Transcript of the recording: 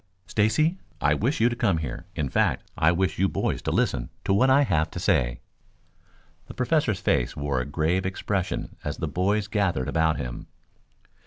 "Stacy, I wish you to come here in fact, I wish you boys to listen to what I have to say." The Professor's face wore a grave expression as the boys gathered about him.